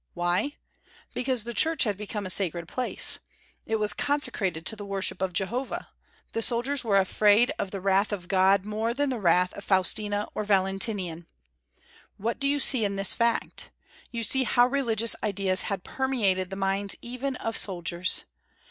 Why? Because the church had become a sacred place. It was consecrated to the worship of Jehovah. The soldiers were afraid of the wrath of God more than of the wrath of Faustina or Valentinian. What do you see in this fact? You see how religious ideas had permeated the minds even of soldiers.